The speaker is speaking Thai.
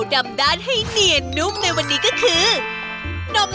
โอ้โหโอ้โห